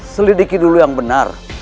selidiki dulu yang benar